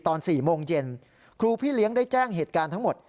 ตอน๔โมงเย็นครูพี่เลี้ยงได้แจ้งเหตุการณ์ทั้งหมด